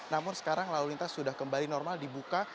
namun sekarang lalu lintas sudah kembali normal dibuka